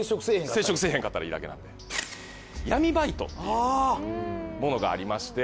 接触せえへんかったらいいだけなんで闇バイトっていうものがありまして。